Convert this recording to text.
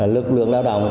lực lượng lao động